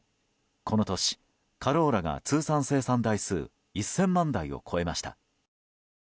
この年、カローラが通算生産台数１０００万台を超えました。